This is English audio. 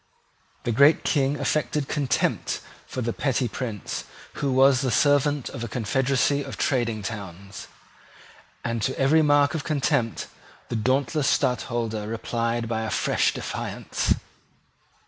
The great King affected contempt for the petty Prince who was the servant of a confederacy of trading towns; and to every mark of contempt the dauntless Stadtholder replied by a fresh defiance.